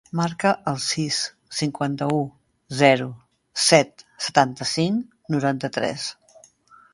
Marca el sis, cinquanta-u, zero, set, setanta-cinc, noranta-tres.